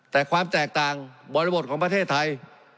แต่ความแตกต่างบริบทของประเทศไทย